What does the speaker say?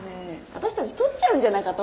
あたしたち取っちゃうんじゃなかと？